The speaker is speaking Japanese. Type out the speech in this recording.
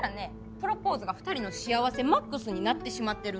プロポーズが２人の幸せマックスになってしまってるんですよ。